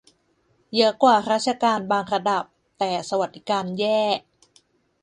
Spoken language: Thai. เยอะกว่าราชการบางระดับ แต่สวัสดิการแย่